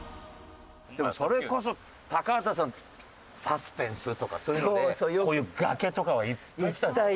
でもそれこそ高畑さんサスペンスとかそういうのでこういう崖とかはいっぱい来たでしょ？